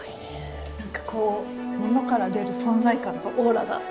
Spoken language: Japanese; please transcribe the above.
何かこうものから出る存在感とオーラが。